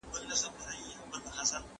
د شخصي ګټو پرځای ټولنیزې ګټې مهمې دي.